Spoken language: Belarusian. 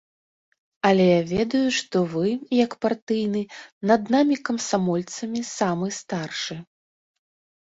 Але я ведаю, што вы, як партыйны, над намі, камсамольцамі, самы старшы.